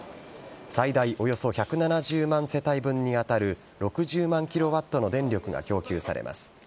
最大およそ１７０万世帯分に当たる６０万キロワットの電力が供給されます。